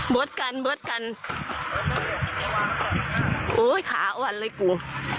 เบิร์ดกันเบิร์ดกันโอ้ยขาอ่านเลยกู